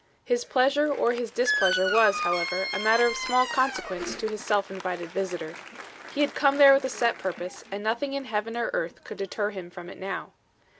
His pleasure or his displeasure was, however, a matter of small consequence to his self invited visitor. He had come there with a set purpose, and nothing in heaven or earth could deter him from it now.